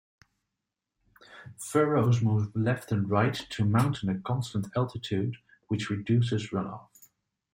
Furrows move left and right to maintain a constant altitude, which reduces runoff.